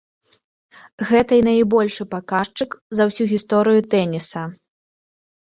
Гэтай найбольшы паказчык за ўсю гісторыю тэніса.